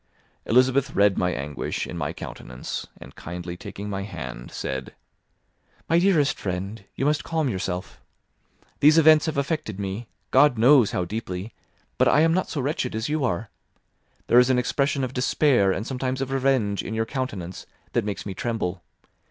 Elizabeth read my anguish in my countenance, and kindly taking my hand, said, "My dearest friend, you must calm yourself. These events have affected me, God knows how deeply; but I am not so wretched as you are. There is an expression of despair, and sometimes of revenge, in your countenance that makes me tremble.